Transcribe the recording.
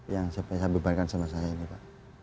yang saya bebankan sama saya